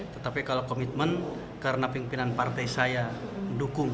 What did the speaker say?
tetapi kalau komitmen karena pimpinan partai saya mendukung